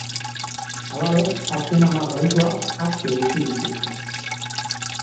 Halaber, azken hamar bahituak aske utzi dituzte.